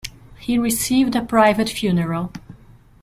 He received a private funeral.